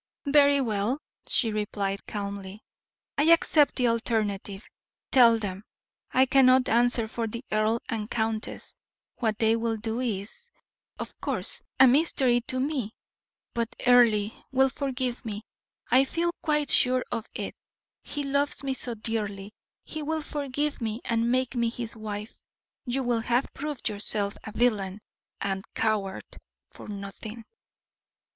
"Very well," she replied, calmly; "I accept the alternative; tell them. I cannot answer for the earl and countess; what they will do is, of course, a mystery to me; but Earle will forgive me, I feel quite sure of it; he loves me so dearly, he will forgive me and make me his wife. You will have proved yourself a villain and coward for nothing."